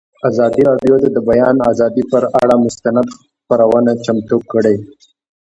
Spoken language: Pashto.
ازادي راډیو د د بیان آزادي پر اړه مستند خپرونه چمتو کړې.